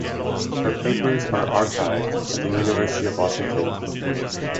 Her papers are archived at the University of Washington.